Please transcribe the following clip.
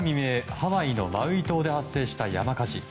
ハワイのマウイ島で発生した山火事。